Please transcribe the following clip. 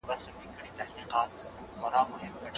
استازي مشر ته څنګه خطاب کوي؟